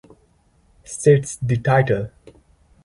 Sets the title